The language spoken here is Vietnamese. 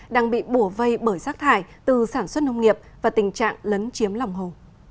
đang bị bổ vây bởi sát thải từ sản xuất nông nghiệp và tình trạng lấn chiếm lòng hồ